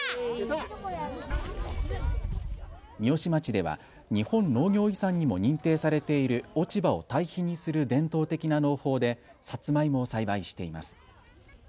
三芳町では日本農業遺産にも認定されている落ち葉を堆肥にする伝統的な農法でさつまいもを栽培しています。